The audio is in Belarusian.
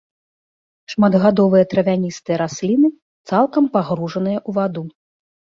Шматгадовыя травяністыя расліны, цалкам пагружаныя ў ваду.